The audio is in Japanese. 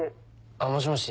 もしもし。